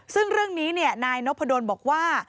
ซึ่งเรื่องนี้นายนพดลบอกว่า